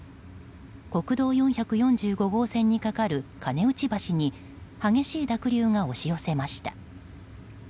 国道４４５線にかかる金内橋に激しい濁流が押し寄せました。